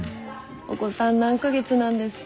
お子さん何か月なんですか？